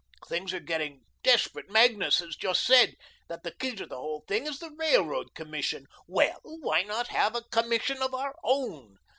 Things are getting desperate. Magnus has just said that the key to the whole thing is the Railroad Commission. Well, why not have a Commission of our own?